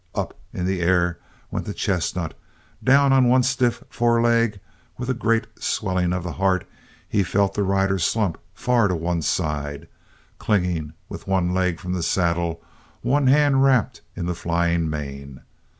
Up in the air went the chestnut down on one stiff foreleg and with a great swelling of the heart he felt the rider slump far to one side, clinging with one leg from the saddle, one hand wrapped in the flying mane.